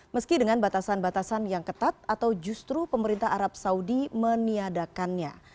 meski dengan batasan batasan yang ketat atau justru pemerintah arab saudi meniadakannya